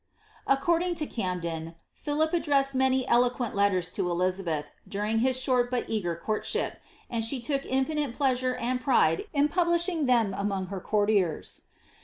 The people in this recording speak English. According to Oamden, Philip addressed many eloquent letters to Eli abeth during his short bnt eager courtship, and she took infinite plea nre and pride in publishing them among her courtiers.